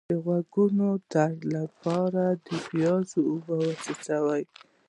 د غوږ درد لپاره د پیاز اوبه وڅڅوئ